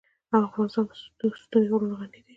افغانستان په ستوني غرونه غني دی.